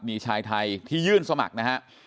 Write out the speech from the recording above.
มีชายไทยที่ยื่นสมัครนะฮะ